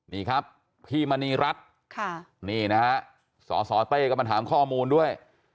นี่ครับพี่มณีรัฐนี่นะฮะสสเต้ก็มาถามข้อมูลด้วย